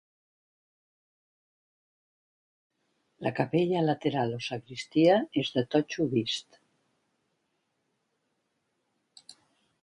La capella lateral o sagristia és de totxo vist.